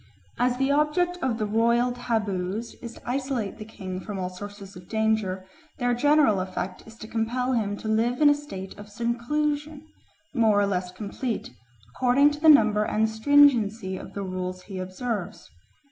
As the object of the royal taboos is to isolate the king from all sources of danger, their general effect is to compel him to live in a state of seclusion, more or less complete, according to the number and stringency of the rules he observes.